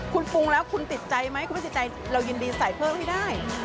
คุณปรุงแล้วคุณติดใจไหมคุณไม่ติดใจเรายินดีใส่เพิ่มให้ได้